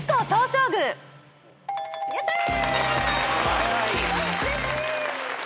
やったー！